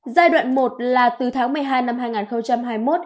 giai đoạn một là từ tháng một mươi hai năm hai nghìn hai mươi một